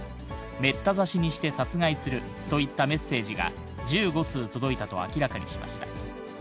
めった刺しにして殺害するといったメッセージが１５通届いたと明らかにしました。